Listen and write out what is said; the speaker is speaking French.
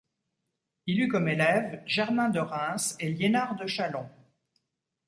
Il eut comme élèves Germain de Reims et Liénard de Chalons.